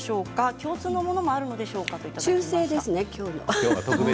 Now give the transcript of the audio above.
共通のものもあるのでしょうかということです。